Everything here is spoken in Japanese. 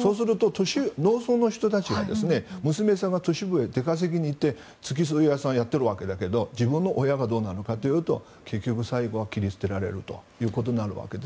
そうすると農村の人たちは娘さんが都市部に出稼ぎに行って付き添い屋さんをやっているわけだけど自分の親がどうなるかというと最後は切り捨てられるわけです。